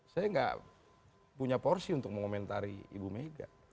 saya gak punya porsi untuk mengomentari ibu mega